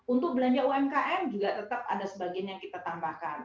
untuk belanja umkm juga tetap ada sebagian yang kita tambahkan